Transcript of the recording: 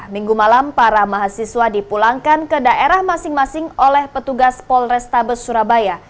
minggu malam para mahasiswa dipulangkan ke daerah masing masing oleh petugas polrestabes surabaya